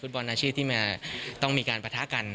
บอลอาชีพที่ต้องมีการประทะกัน